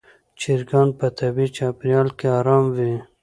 چرګان په طبیعي چاپېریال کې آرام وي.